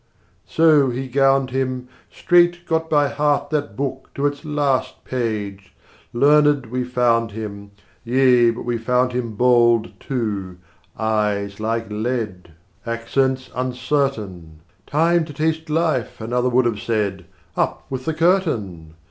So, he gowned him, 50 Straight got by heart that book to its last page: Learned, we found him. Yea, but we found him bald too, eyes like lead, Accents uncertain: "Time to taste life," another would have said, "Up with the curtain!"